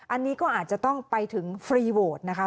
อันนี้ก็อาจจะต้องไปถึงฟรีโวทนะคะ